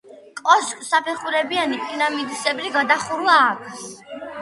კოშკს საფეხურებიანი, პირამიდისებრი გადახურვა აქვს.